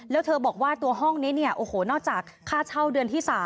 แล้วเธอบอกว่าตัวห้องนี้เนี่ยโอ้โหนอกจากค่าเช่าเดือนที่๓